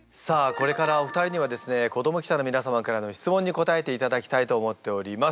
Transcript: これからお二人にはですね子ども記者の皆様からの質問に答えていただきたいと思っております。